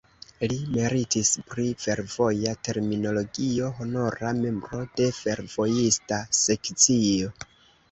Li meritis pri fervoja terminologio, honora membro de fervojista sekcio.